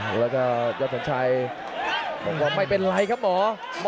กระโดยสิ้งเล็กนี่ออกกันขาสันเหมือนกันครับ